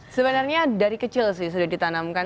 sebenarnya dari kecil sih sudah ditanamkan